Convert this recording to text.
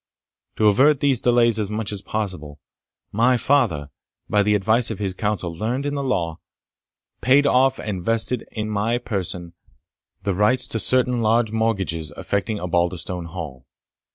To avert these delays as much as possible, my father, by the advice of his counsel learned in the law, paid off and vested in my person the rights to certain large mortgages affecting Osbaldistone Hall.